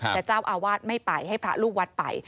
แต่เจ้าอาวาสไม่ไปให้พระลูกวัดไป